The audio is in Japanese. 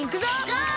ゴー！